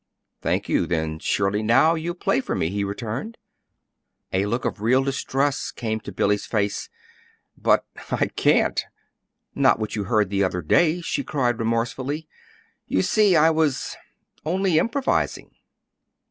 "Thank you. Then surely now you'll play to me," he returned. A look of real distress came to Billy's face. "But I can't not what you heard the other day," she cried remorsefully. "You see, I was only improvising."